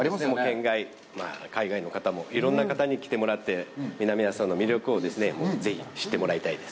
県外、海外の方もいろんな方に来てもらって、南阿蘇の魅力をぜひ知ってもらいたいです。